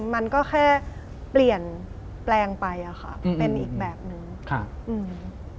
มันก็แค่เปลี่ยนแปลงไปเป็นอีกแบบหนึ่ง